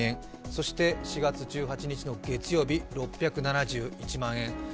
そして４月１８日の月曜日、６７１万円。